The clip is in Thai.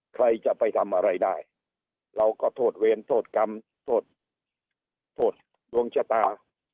ใครจะไปทำอะไรได้เราก็โทษเวรโทษกรรมโทษโทษดวงชะตา